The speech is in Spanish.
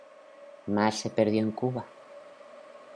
Mas se perdio en Cuba.